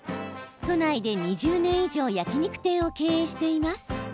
都内で２０年以上焼き肉店を経営しています。